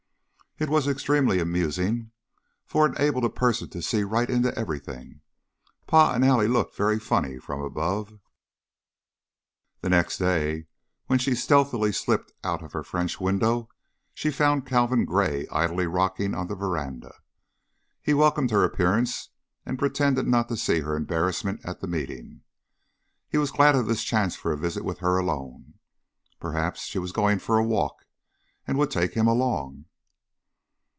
It was extremely amusing, for it enabled a person to see right into everything. Pa and Allie looked very funny from above. The next day, when she stealthily slipped out of her French window, she found Calvin Gray idly rocking on the veranda. He welcomed her appearance and pretended not to see her embarrassment at the meeting; he was glad of this chance for a visit with her alone. Perhaps she was going for a walk and would take him along?